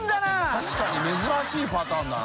確かに珍しいパターンだな。